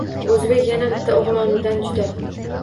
O’zbek yana bitta o’g’lidan judo.